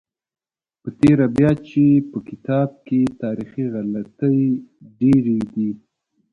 په تېره بیا چې په کتاب کې تاریخي غلطۍ ډېرې دي.